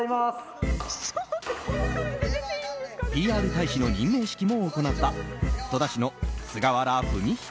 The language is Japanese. ＰＲ大使の任命式も行った戸田市の菅原文仁